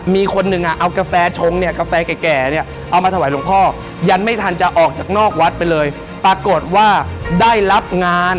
มีคนหนึ่งเอากฟ้าชง